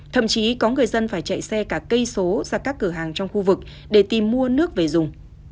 thậm chí có người dân phải chạy xe cả cây số ra các cửa hàng trong khu vực để tìm mua nước về dùng